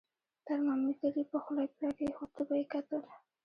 ترمامیتر یې په خوله کې را کېښود، تبه یې کتل.